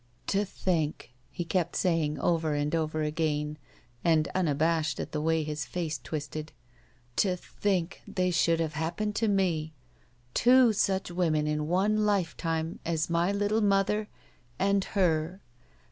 "To think," he kept saying over and over again and unabashed at the way his face twisted — "to think they should have happened to me. Two such women in one lifetime as my little mother — and her.